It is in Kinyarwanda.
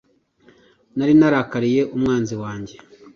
Nari narakariye umwanzi wanjye: